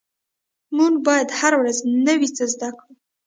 مونږ باید هره ورځ نوي څه زده کړو